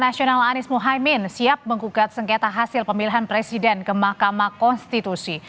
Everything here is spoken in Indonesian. nasional anies mohaimin siap menggugat sengketa hasil pemilihan presiden ke mahkamah konstitusi